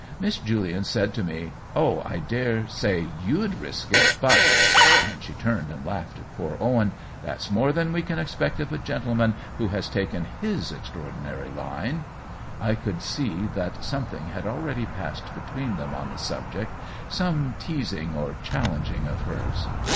"Miss Julian said to me, * Oh, I dare say you'd risk it, but' — and she turned and laughed at poor Owen —* that's more than we can expect of OWEN WINGRAVE 21 5 a gentleman who has taken his extraordi nary line.' I could see that something had already passed between them on the sub ject — some teasing or challenging of hers.